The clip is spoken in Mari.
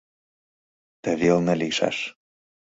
— Тывелне лийшаш...